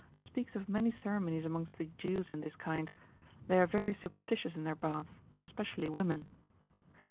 speaks of many ceremonies amongst the Jews in this kind; they are very superstitious in their baths, especially women.